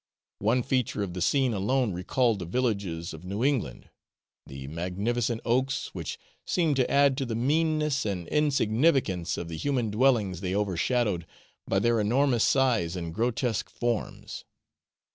One feature of the scene alone recalled the villages of New England the magnificent oaks, which seemed to add to the meanness and insignificance of the human dwellings they overshadowed by their enormous size and grotesque forms.